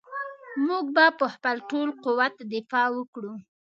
موږ به په خپل ټول قوت دفاع وکړو.